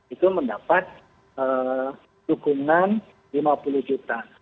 itu mendapat dukungan lima puluh juta